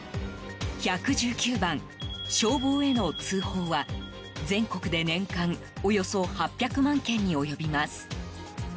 １１９番、消防への通報は全国で年間およそ８００万件に及びます。